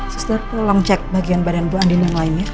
suster tolong cek bagian badan bu andi dan lainnya